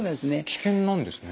危険なんですね。